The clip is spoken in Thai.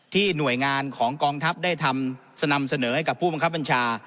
หน่วยงานของกองทัพได้ทำนำเสนอให้กับผู้บังคับบัญชา